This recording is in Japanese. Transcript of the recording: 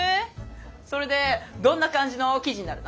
それでどんな感じの記事になるの？